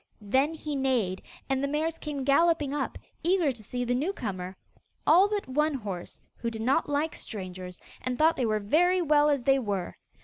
Then he neighed, and the mares came galloping up, eager to see the new comer all but one horse, who did not like strangers, and thought they were very well as they were.